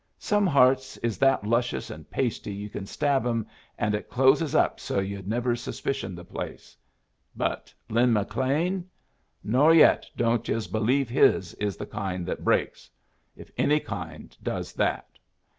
Some hearts is that luscious and pasty you can stab 'em and it closes up so yu'd never suspicion the place but Lin McLean! Nor yet don't yus believe his is the kind that breaks if any kind does that.